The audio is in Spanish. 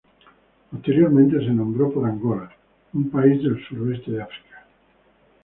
Posteriormente se nombró por Angola, un país del suroeste de África.